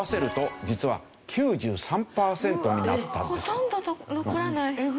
ほとんど残らない。